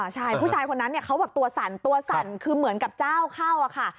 ใช่ผู้ชายคนนั้นเขาแบบตัวสั่นตัวสั่นคือเหมือนกับเจ้าเข้าอะค่ะ